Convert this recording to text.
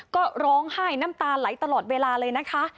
ก็ร้องไห้น้ำตาไหลตลอดเวลาเลยนะคะ